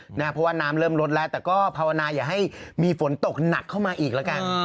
เพราะว่าน้ำเริ่มลดแล้วแต่ก็ภาวนาอย่าให้มีฝนตกหนักเข้ามาอีกแล้วกัน